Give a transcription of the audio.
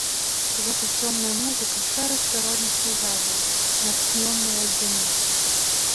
Гэта цёмная музыка шэрых прыродных пейзажаў, натхнёная адзінотай.